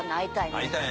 「会いたい．．．」